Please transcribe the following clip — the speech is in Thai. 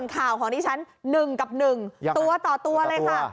ข่าวของดิฉัน๑กับ๑ตัวต่อตัวเลยค่ะ